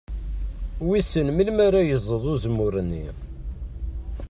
Wissen melmi ara yeẓẓed uzemmur-nni?